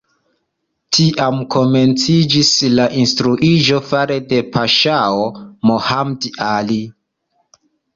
Tiam komenciĝis la industriiĝo fare de paŝao Mohamed Ali.